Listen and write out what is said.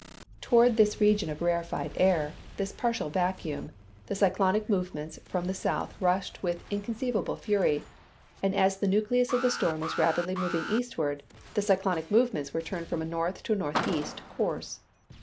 Toward this region of rarefied air this partial vacuum the cyclonic movements from the south rushed with inconceivable fury, and as the nucleus of the storm was rapidly moving eastward, the cyclonic movements were turned from a north to a northeast course.